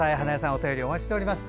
お手紙お待ちしております。